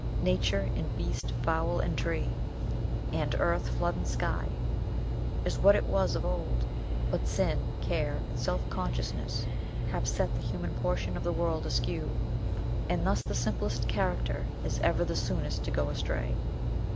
Nature, in beast, fowl, and tree, and earth, flood, and sky, is what it was of old; but sin, care, and self consciousness have set the human portion of the world askew; and thus the simplest character is ever the soonest to go astray.